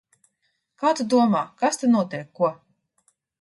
Kā tu domā, kas te notiek, ko?